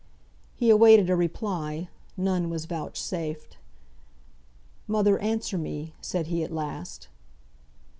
He awaited a reply. None was vouchsafed. "Mother, answer me!" said he, at last.